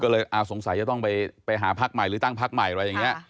ก็เลยสงสัยจะต้องไปหาพักใหม่หรือตั้งพักใหม่อะไรอย่างนี้